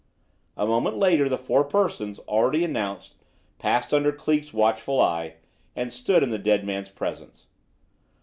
A moment later the four persons already announced passed under Cleek's watchful eye, and stood in the dead man's presence.